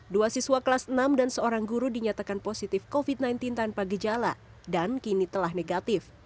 dua siswa kelas enam dan seorang guru dinyatakan positif covid sembilan belas tanpa gejala dan kini telah negatif